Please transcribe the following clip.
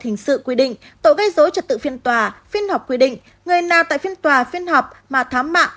hình sự quy định tội gây dối trật tự phiên tòa phiên họp quy định người nào tại phiên tòa phiên họp mà thám mạng